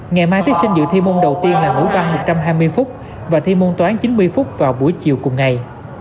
ngày mai thí sinh dự thi môn đầu tiên là ngữ văn một trăm hai mươi phút và thi môn toán chín mươi phút vào buổi chiều cùng ngày